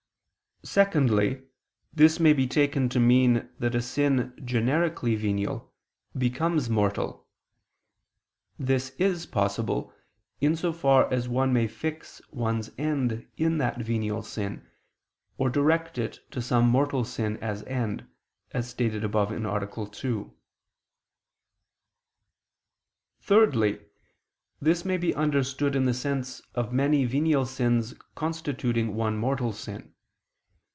Secondly, this may be taken to mean that a sin generically venial, becomes mortal. This is possible, in so far as one may fix one's end in that venial sin, or direct it to some mortal sin as end, as stated above (A. 2). Thirdly, this may be understood in the sense of many venial sins constituting one mortal sin.